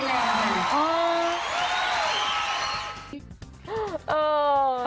เยอะเยอะเยอะ